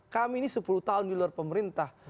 kami ini sepuluh tahun di luar pemerintah